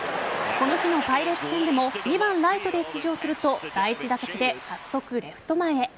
この日のパイレーツ戦でも２番・ライトで出場すると第１打席で早速レフト前へ。